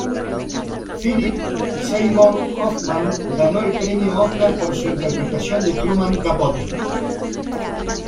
Philip Seymour Hoffman ganó el premio Óscar por su interpretación de Truman Capote.